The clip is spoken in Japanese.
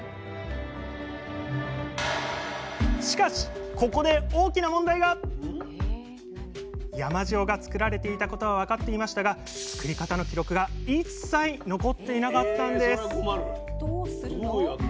しかしここで山塩がつくられていたことは分かっていましたがつくり方の記録が一切残っていなかったんです！